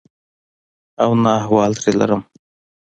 او نه احوال ترې لرم.